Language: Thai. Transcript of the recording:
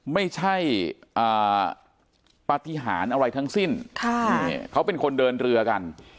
ไม่ใช่ปฏิหารอะไรทั้งสิ้นเขาเป็นคนเดินเรือกัน